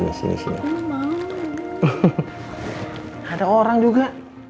ada orang juga